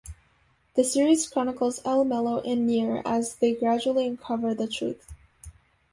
The series chronicles L, Mello, and Near as they gradually uncover the truth.